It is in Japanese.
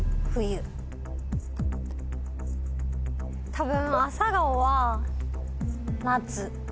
多分。